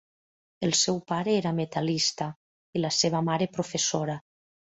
El seu pare era metal·lista i la seva mare professora.